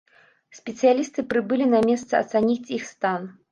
Спецыялісты прыбылі на месца ацаніць іх стан.